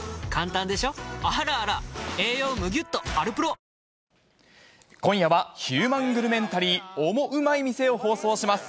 選ぶ日がきたらクリナップ今夜はヒューマングルメンタリーオモウマい店を放送します。